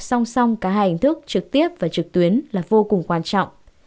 song song cả hai hình thức trực tiếp và trực tuyến là vô cùng quan trọng